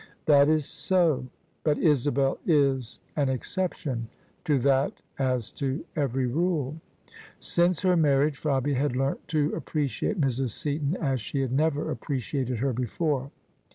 "That is so: but Isabel is an exception — ^to that as to every nde." Since her marriage, Fabia had learnt to appre ciate Mrs. Seaton as she had never appreciated her before.